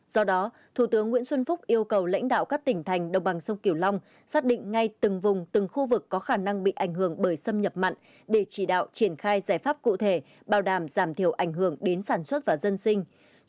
do đó thủ tướng nguyễn xuân phúc yêu cầu lãnh đạo các tỉnh thành đồng bằng sông kiểu long xác định ngay từng vùng từng khu vực có khả năng bị ảnh hưởng bởi xâm nhập mặn để chỉ đạo triển khai giải pháp cụ thể bảo đảm giảm thiểu ảnh hưởng đến sản xuất và dân sinh